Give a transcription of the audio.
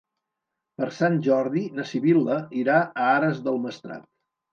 Per Sant Jordi na Sibil·la irà a Ares del Maestrat.